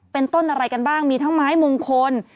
เป็นต้นอะไรกันบ้างมีทั้งไม้มงคล